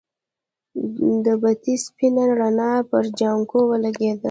د بتۍ سپينه رڼا پر جانکو ولګېده.